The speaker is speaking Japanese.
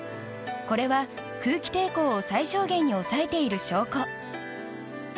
これは、空気抵抗を最小限に抑えている証拠。